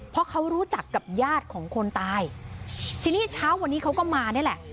เพราะเขารู้จักกับญาติของคนตายทีนี้เช้าวันนี้เขาก็มานี่แหละ